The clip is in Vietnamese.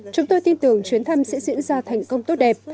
chúng tôi tin tưởng chuyến thăm sẽ diễn ra thành công tốt đẹp